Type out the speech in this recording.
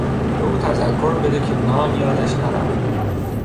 به او تذکر بده که نان یادش نرود.